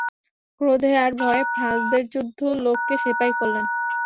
ক্রোধে আর ভয়ে ফ্রান্সদেশযুদ্ধ লোককে সেপাই করলে।